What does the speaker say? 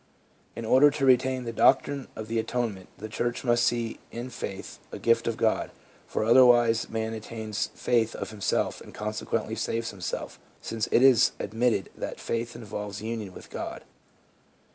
In order to retain the doctrine of the Atonement, the church must see in faith a gift of God ; for otherwise man attains faith of himself, and consequently saves himself, since it is admitted that faith involves union with God.